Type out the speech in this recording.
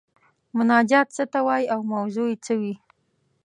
مناجات څه ته وايي او موضوع یې څه وي؟